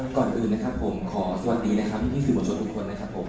ก่อนอื่นนะครับผมขอสวัสดีนะครับพี่สื่อมวลชนทุกคนนะครับผม